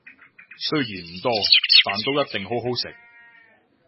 雖然唔多，但都一定好好食